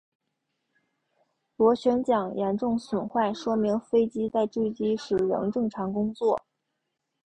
螺旋桨严重损坏说明飞机在坠机时仍正常工作。